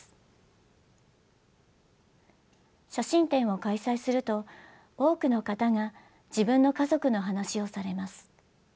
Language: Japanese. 写真展を開催すると多くの方が自分の家族の話をされます。